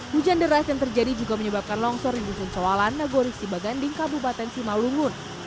hujan deras yang terjadi juga menyebabkan longsor di dusun soalan nagori sibaganding kabupaten simalungun